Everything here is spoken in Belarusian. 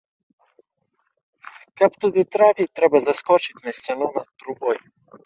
Каб туды трапіць, трэба заскочыць на сцяну над трубой.